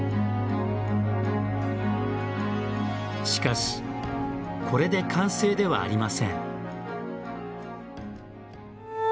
しかしこれで完成ではありません。